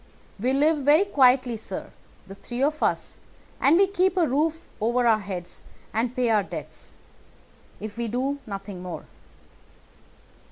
We live very quietly, sir, the three of us; and we keep a roof over our heads and pay our debts, if we do nothing more.